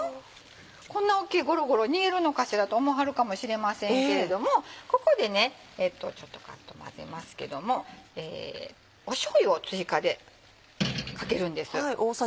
こんな大きいゴロゴロ煮えるのかしらと思はるかもしれませんけれどもここでちょっとばっと混ぜますけどもしょうゆを追加でかけるんです。